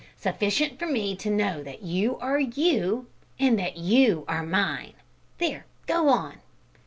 Sufficient for me to know that you are you, and that you are mine! There, go on."